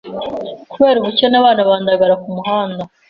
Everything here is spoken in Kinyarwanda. kubera ubukene abana bandagara kumuhanda.